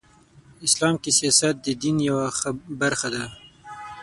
اسلام کې سیاست د دین یوه برخه ده .